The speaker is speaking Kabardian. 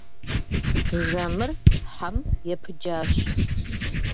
Жэмыр хьэм епыджащ.